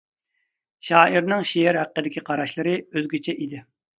شائىرنىڭ شېئىر ھەققىدىكى قاراشلىرى ئۆزگىچە ئىدى.